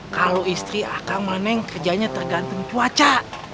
kalo istri akang mah neng kerjanya tergantung cuaca